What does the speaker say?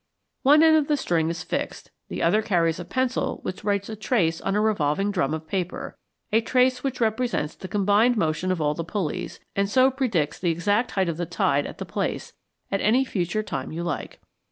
One end of the string is fixed, the other carries a pencil which writes a trace on a revolving drum of paper a trace which represents the combined motion of all the pulleys, and so predicts the exact height of the tide at the place, at any future time you like.